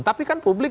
tapi kan publik